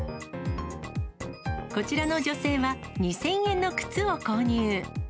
こちらの女性は、２０００円の靴を購入。